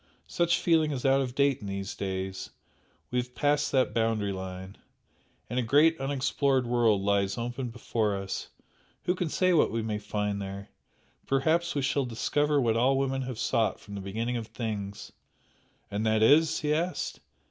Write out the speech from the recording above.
Such feeling is out of date in these days we have passed that boundary line and a great unexplored world lies open before us who can say what we may find there! Perhaps we shall discover what all women have sought for from the beginning of things " "And that is?" he asked.